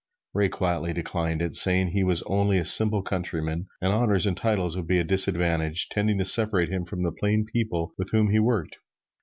Ray quietly declined it, saying he was only a simple countryman, and honors or titles would be a disadvantage, tending to separate him from the plain people with whom he worked.